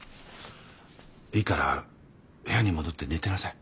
いいから部屋に戻って寝てなさい。